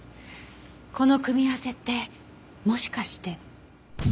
この組み合わせってもしかして。